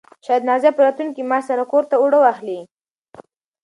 شاید نازیه په راتلونکي معاش سره کور ته اوړه واخلي.